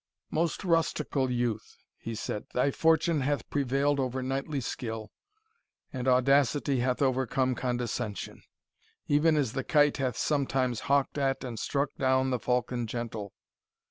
"Most rustical youth," he said, "thy fortune hath prevailed over knightly skill and Audacity hath overcome Condescension, even as the kite hath sometimes hawked at and struck down the falcon gentle.